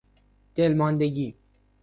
دلماندگی